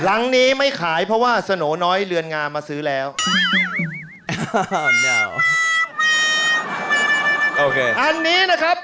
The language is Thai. หลังนี้ไม่ขายเพราะว่าสโนน้อยเรือนงามมาซื้อแล้วโอเคอันนี้นะครับ